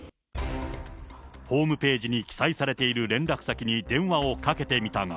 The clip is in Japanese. ホームページに記載されている連絡先に電話をかけてみたが。